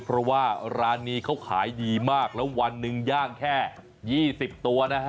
เพราะว่าร้านนี้เขาขายดีมากแล้ววันหนึ่งย่างแค่๒๐ตัวนะฮะ